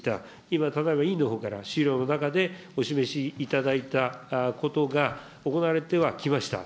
今、ただいま委員のほうから資料の中でお示しいただいたことが行われてはきました。